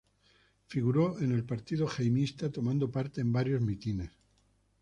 Figuró en el partido jaimista, tomando parte en varios mítines.